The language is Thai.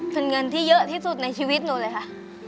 เป็นเงินที่เยอะที่สุดในชีวิตหนูเลยค่ะ